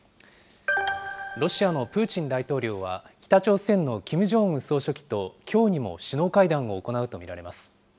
ロシアのプーチン大統領は、北朝鮮のキム・ジョンウン総書記ときょうにも首脳会談を行うと見られます。